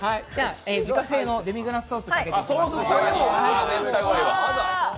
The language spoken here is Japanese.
自家製のデミグラスソースいきます。